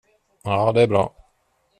Ja, det är bra.